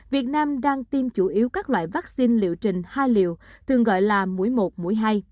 việt nam đang tiêm chủ yếu các loại vaccine liệu trình hai liệu thường gọi là mũi một mũi hai